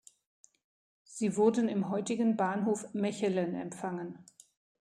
Sie wurden im heutigen Bahnhof Mechelen empfangen.